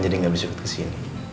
jadi gak bisa jemput kesini